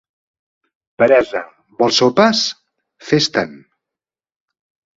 Peresa, vols sopes? —Fes-te'n.